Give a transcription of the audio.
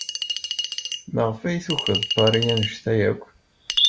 Maɣef ay tukeḍ Paris anect-a akk?